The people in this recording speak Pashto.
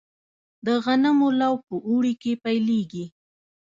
د غنمو لو په اوړي کې پیلیږي.